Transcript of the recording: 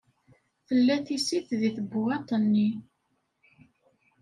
Tella tisist deg tbewwaṭ-nni.